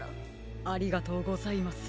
ありがとうございます。